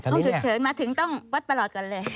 ห้องฉุกเฉินมาถึงต้องวัดประหลอดก่อนเลย